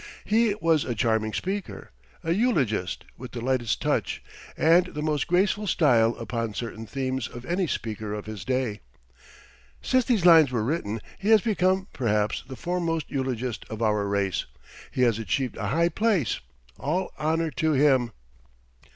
He was a charming speaker a eulogist with the lightest touch and the most graceful style upon certain themes of any speaker of his day. [Since these lines were written he has become, perhaps, the foremost eulogist of our race. He has achieved a high place. All honor to him!